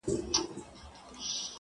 نه خبره نه کیسه ترې هېرېدله٫